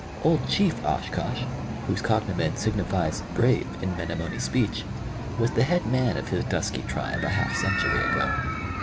Old chief Oshkosh, whose cognomen signifies "brave" in Menomonee speech, was the head man of his dusky tribe, a half century ago.